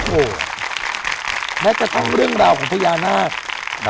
โอ้โหแม้กระทั่งเรื่องราวของพญานาค